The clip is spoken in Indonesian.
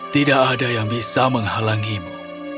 tidak ada yang bisa menghalangimu